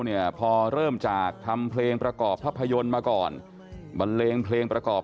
เนี่ยพอเริ่มจากทำเพลงประกอบภาพยนตร์มาก่อนบันเลงเพลงประกอบ